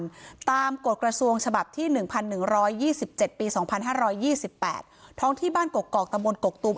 ตามกฎกระทรวงฉบับที่๑๑๒๗ปี๒๕๒๘ท้องที่บ้านกกอกตะมนตกกตุม